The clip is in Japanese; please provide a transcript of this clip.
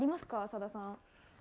さださん。